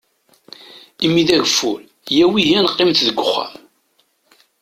Imi d agfur, iyyaw ihi ad neqqimet deg uxxam.